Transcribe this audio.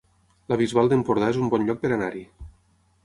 La Bisbal d'Empordà es un bon lloc per anar-hi